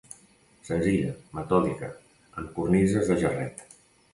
Senzilla, metòdica, amb cornises de jarret